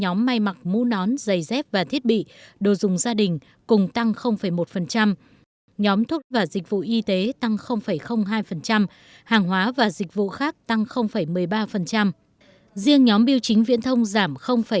hai nhóm mạng mũ nón giày dép và thiết bị đồ dùng gia đình cùng tăng một nhóm thuốc và dịch vụ y tế tăng hai hàng hóa và dịch vụ khác tăng một mươi ba riêng nhóm biểu chính viễn thông giảm bảy